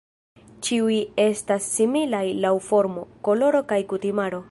Ĉiuj estas similaj laŭ formo, koloro kaj kutimaro.